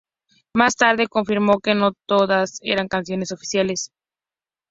Más tarde, confirmó que no todas eran canciones oficiales.